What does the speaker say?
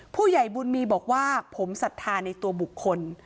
ผู้ใหญ่บุญมีบอกว่าผมศรัทธาในตัวบุคคล